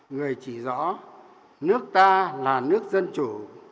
người chỉ rõ nước ta là nước dân chủ